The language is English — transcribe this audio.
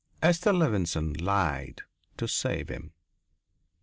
Esther Levenson lied to save him.